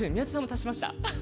足しました。